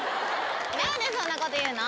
何でそんなこと言うの？